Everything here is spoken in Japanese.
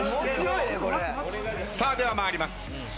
さあでは参ります。